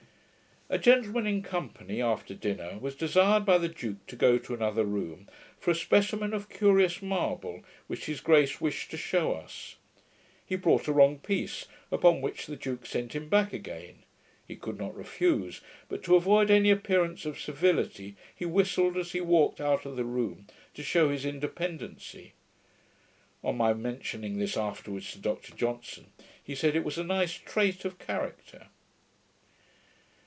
A gentleman in company, after dinner, was desired by the duke to go to another room, for a specimen of curious marble, which his grace wished to shew us. He brought a wrong piece, upon which the duke sent him back again. He could not refuse; but, to avoid any appearance of servility, he whistled as he walked out of the room, to show his independency. On my mentioning this afterwards to Dr Johnson, he said, it was a nice trait of character.